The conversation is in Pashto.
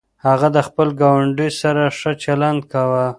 هغه د خپل ګاونډي سره ښه چلند کاوه.